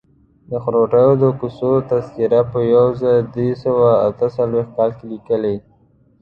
د خروټو د کوڅې تذکره په یو زر درې سوه اته څلویښت کال لیکلې.